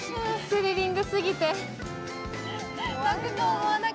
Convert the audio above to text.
スリリングすぎて。